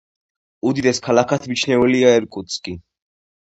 უდიდეს ქალაქად მიჩნეულია ირკუტსკი.